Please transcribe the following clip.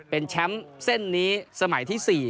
เป็นแชมป์เส้นนี้สมัยที่๔